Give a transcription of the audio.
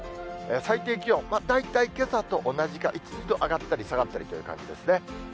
最低気温、大体けさと同じか、１、２度、上がったり下がったりという感じですね。